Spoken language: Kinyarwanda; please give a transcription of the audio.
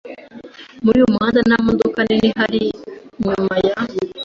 Muri uyu muhanda nta modoka nini ihari nyuma ya